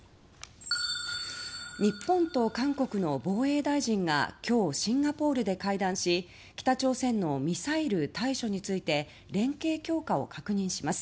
日本と韓国の防衛大臣が今日、シンガポールで会談し北朝鮮のミサイル対処について連携強化を確認します。